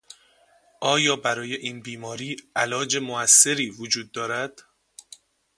آیا برای این بیماری علاج موثری وجود دارد؟